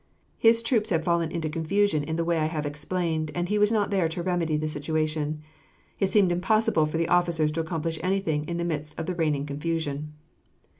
His troops had fallen into confusion in the way I have explained, and he was not there to remedy the situation. It seemed impossible for the officers to accomplish anything in the midst of the reigning confusion.